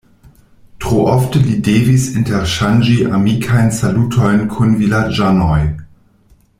Tro ofte li devis interŝanĝi amikajn salutojn kun vilaĝanoj.